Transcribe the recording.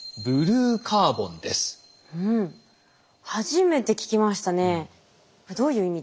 初めて聞きましたね。